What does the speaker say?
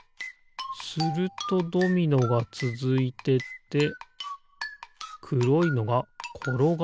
するとドミノがつづいてってくろいのがころがるのかな。